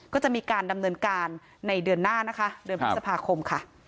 ก็จะมีการดำเนินการในเดือนหน้านะคะเดือนพฤษภาคมค่ะ